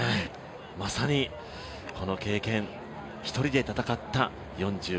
まさに、この経験１人で戦った４２．１９５